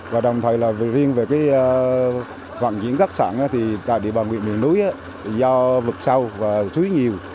và đồng thời riêng về vận chuyển các sản thì cả địa bàn huyện miền núi do vực sâu và suối nhiều